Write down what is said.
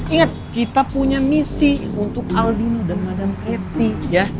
ingat kita punya misi untuk aldino dan madam eti ya